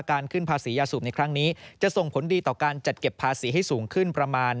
การขึ้นภาษียาสูบในครั้งนี้จะส่งผลดีต่อการจัดเก็บภาษีให้สูงขึ้นประมาณ